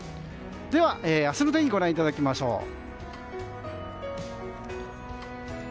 では、明日の天気ご覧いただきましょう。